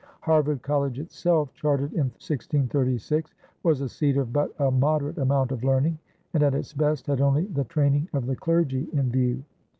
Harvard College itself, chartered in 1636, was a seat of but a moderate amount of learning and at its best had only the training of the clergy in view.